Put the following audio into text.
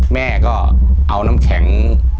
แม่ก็เอาน้ำแข็ง